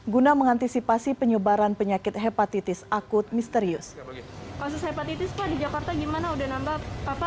guna mengantisipasi penyebaran penyakit hepatitis akut misterius di jakarta gimana udah nambah apa